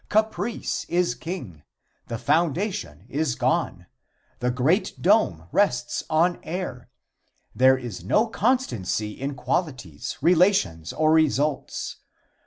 Caprice is king. The foundation is gone. The great dome rests on air. There is no constancy in qualities, relations or results.